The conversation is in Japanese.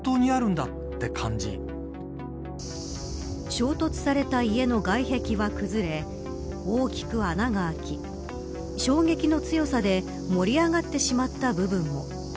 衝突された家の外壁は崩れ大きく穴が開き衝撃の強さで盛り上がってしまった部分も。